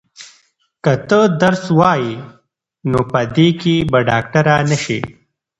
که ته درس ووایې نو په دې کې به ډاکټره نه شې.